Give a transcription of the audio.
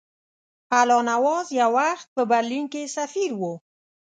الله نواز یو وخت په برلین کې سفیر وو.